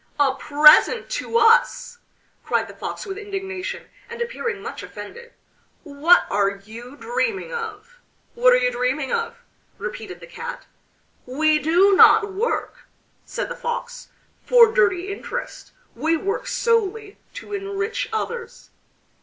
"A present to us?" cried the Fox with indignation, and appearing much offended. "What are you dreaming of?" "What are you dreaming of?" repeated the Cat. "We do not work," said the Fox, "for dirty interest, we work solely to enrich others."